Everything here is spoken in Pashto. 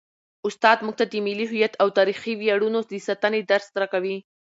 استاد موږ ته د ملي هویت او تاریخي ویاړونو د ساتنې درس راکوي.